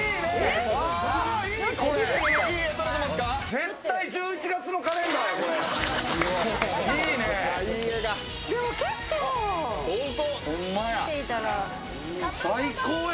絶対１１月のカレンダーや。